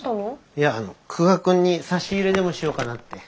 いやあの久我君に差し入れでもしようかなって。